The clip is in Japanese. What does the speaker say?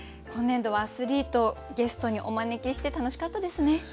今年度はアスリートをゲストにお招きして楽しかったですね。